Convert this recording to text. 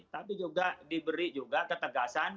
tapi juga diberi ketegasan